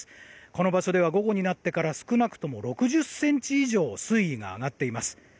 この場所では午後になってから少なくとも６０ｃｍ以上水位が上がっています。